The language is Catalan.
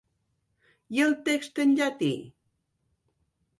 I el text en llatí?